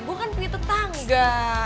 gue kan punya tetangga